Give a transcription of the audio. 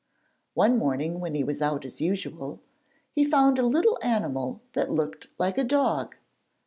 One morning when he was out as usual, he found a little animal that looked like a dog.